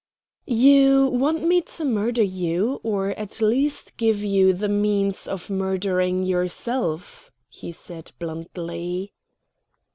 "You want me to murder you, or at least give you the means of murdering yourself?" he said bluntly.